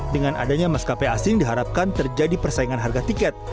dengan adanya maskapai asing diharapkan terjadi persaingan harga tiket